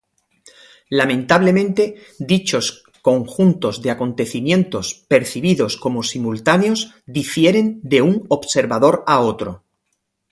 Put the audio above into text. Lamentablemente, dichos conjuntos de acontecimientos percibidos como simultáneos difieren de un observador a otro.